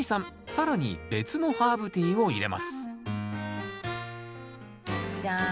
更に別のハーブティーをいれますジャーン！